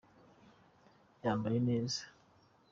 yambaye neza.